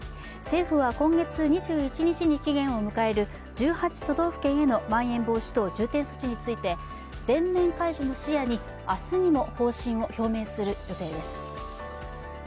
政府は今月２１日に期限を迎える１８都道府県へのまん延防止等重点措置について全面解除も視野に明日にも方針を表明する予定です。